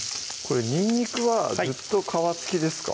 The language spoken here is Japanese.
にんにくはずっと皮つきですか？